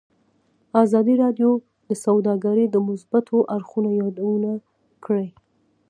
ازادي راډیو د سوداګري د مثبتو اړخونو یادونه کړې.